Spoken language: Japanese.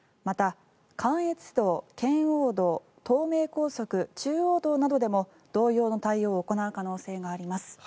また、関越道、圏央道東名高速、中央道などでも同様の対応を行う可能性があります。